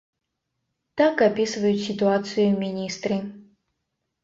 Так апісваюць сітуацыю міністры.